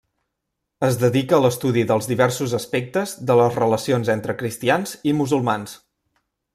Es dedica a l'estudi dels diversos aspectes de les relacions entre cristians i musulmans.